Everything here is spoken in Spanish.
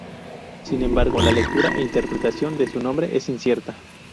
Sin embargo, la lectura e interpretación de su nombre es incierta.